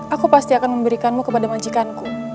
aku pasti akan memberikanmu kepada majikanku